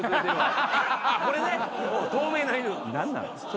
これね透明な犬。